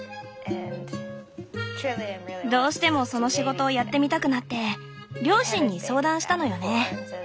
どうしてもその仕事をやってみたくなって両親に相談したのよね。